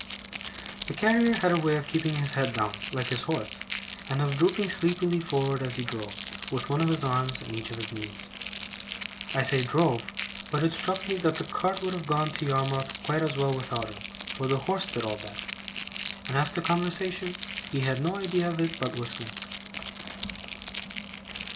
The carrier had a way of keeping his head down, like his horse, and of drooping sleepily forward as he drove, with one of his arms on each of his knees. I say 'drove', but it struck me that the cart would have gone to Yarmouth quite as well without him, for the horse did all that; and as to conversation, he had no idea of it but whistling.